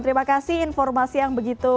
terima kasih informasi yang begitu